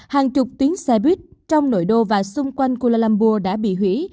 hàng chục tuyến xe buýt trong nội đô và xung quanh kuala lumburg đã bị hủy